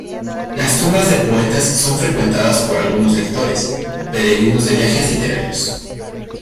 Las tumbas de poetas son frecuentadas por algunos lectores, peregrinos de viajes literarios.